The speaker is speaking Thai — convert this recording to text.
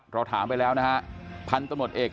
เราถามไปแล้วนะฮะพันธุ์ตำรวจเอก